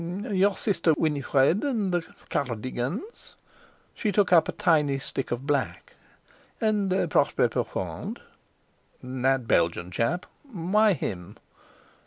"Your sister Winifred, and the Car r digans"—she took up a tiny stick of black—"and Prosper Profond." "That Belgian chap? Why him?"